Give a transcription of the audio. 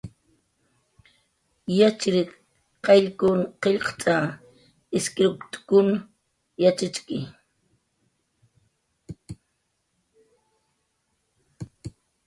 Yatxchiriq qayllkun qillqt'a, iskriwt'kun yatxichki